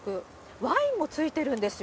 ワインもついてるんですよ。